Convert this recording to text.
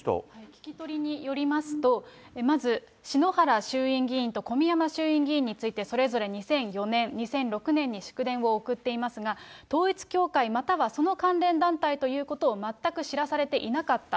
聞き取りによりますと、まず篠原衆院議員と小宮山衆院議員についてそれぞれ２００４年、２００６年に祝電を送っていますが、統一教会またはその関連団体ということを全く知らされていなかった。